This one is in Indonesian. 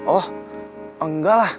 oh enggak lah